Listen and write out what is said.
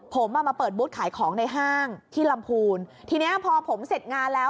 ผมอ่ะมาเปิดบูธขายของในห้างที่ลำพูนทีเนี้ยพอผมเสร็จงานแล้ว